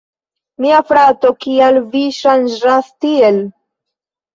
Mia frato, kial vi ŝanĝas tiel?